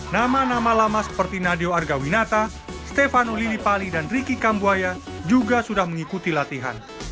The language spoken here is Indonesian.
nama nama lama seperti nadeo argawinata stefano lilipali dan riki kambuaya juga sudah mengikuti latihan